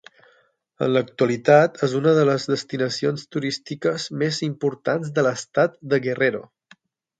En l'actualitat és una de les destinacions turístiques més importants de l'estat de Guerrero.